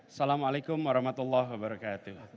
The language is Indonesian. assalamu'alaikum warahmatullah wabarakatuh